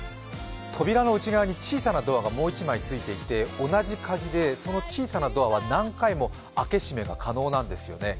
扉の内側に小さなドアがもう一枚ついていまして、同じ鍵で、その小さな扉は何回も開け閉め可能なんですよね。